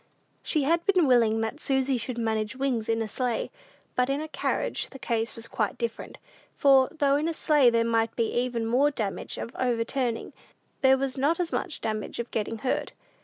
She had been willing that Susy should manage Wings in a sleigh, but in a carriage the case was quite different; for, though in a sleigh there might be even more danger of overturning, there was not as much danger of getting hurt.